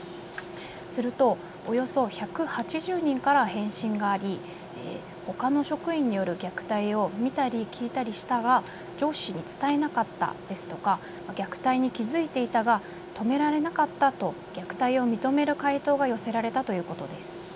すると、およそ１８０人から返信があり、ほかの職員による虐待を見たり聞いたりしたが上司に伝えなかったですとか虐待に気付いていたが止められなかったと虐待を認める回答が寄せられたということです。